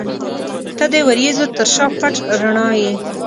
• ته د وریځو تر شا پټ رڼا یې.